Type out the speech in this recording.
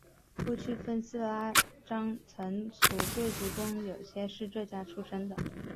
过去分寺拉章僧俗贵族中有些是这家出生的。